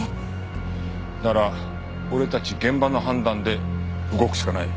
なら俺たち現場の判断で動くしかない。